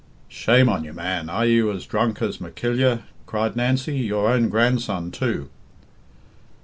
"Shame on you, man. Are you as drunk as Mackillya?" cried Nancy. "Your own grandson, too!"